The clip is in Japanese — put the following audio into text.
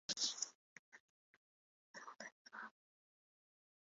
そっか、必要ないか